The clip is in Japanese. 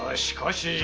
しかし。